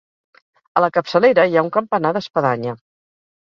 A la capçalera hi ha un campanar d'espadanya.